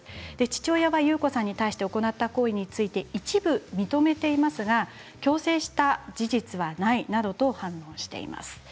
父親は、ユウコさんに対して行った行為について一部認めていますが強制した事実はないなどと反論しています。